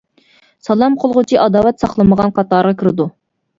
سالام قىلغۇچى ئاداۋەت ساقلىمىغان قاتارىغا كىرىدۇ.